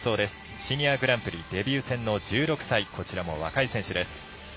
シニアグランプリデビュー戦の１６歳こちらも若い選手です。